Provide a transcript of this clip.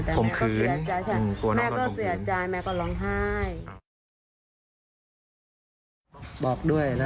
ผมขืนตัวน้องตกขึ้น